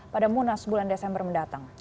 pada munas bulan desember mendatang